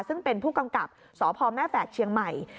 ซึ่งเป็นผู้กำกับสพแม่แฝดเชียงใหม่